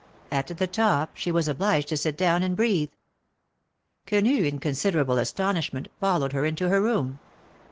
At the top she was obliged to sit down and breathe. Quenu, in considerable astonishment, followed her into her room.